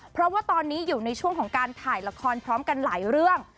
เพราะว่าตอนนี้อยู่ในช่วงของการถ่ายละครพร้อมกันหลายเรื่อง